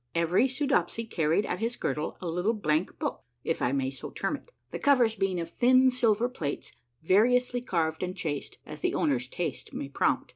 Every Soodopsy carried at his girdle a little blank book, if I may so term it, the covers being of thin silver plates vari ously carved and chased as the owner's taste may prompt.